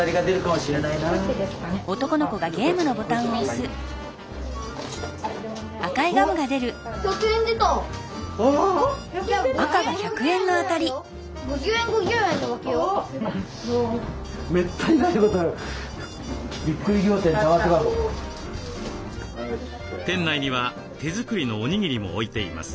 店内には手作りのおにぎりも置いています。